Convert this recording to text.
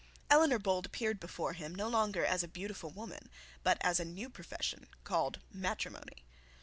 Eleanor Bold appeared before him, no longer as a beautiful woman, but as a new profession called matrimony.